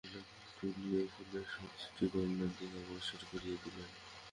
বলিয়া বাছিয়া একটি গোলাপ তুলিয়া ফুলের সাজিটি কমলার দিকে অগ্রসর করিয়া দিলেন।